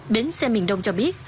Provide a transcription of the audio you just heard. bến xe miền đông cho biết